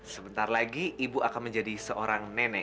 sebentar lagi ibu akan menjadi seorang nenek